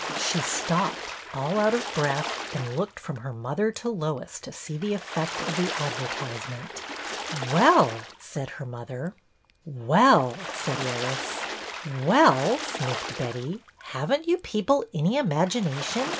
She stopped, all out of breath, and looked from her mother to Lois to see the effect of the adver tisement. Well I " said her mother. 136 BETTY BAIRD'S VENTURES ^^Well!" said Lois. Well !" sniffed Betty. '' Have n't you people any imagination